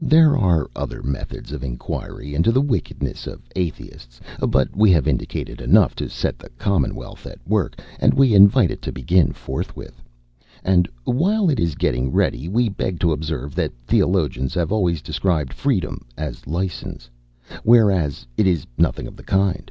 There are other methods of inquiry into the wickedness of Atheists, but we have indicated enough to set the Commonwealth at work, and we invite it to begin forthwith. And while it is getting ready we beg to observe that theologians have always described "free dem" as "license," whereas it is nothing of the kind.